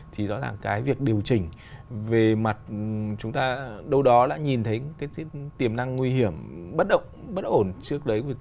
thì rõ ràng cái việc điều chỉnh về mặt chúng ta đâu đó đã nhìn thấy cái tiềm năng nguy hiểm bất ổn trước đấy